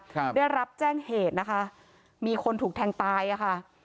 ครับได้รับแจ้งเหตุนะคะมีคนถูกแทงตายอ่ะค่ะ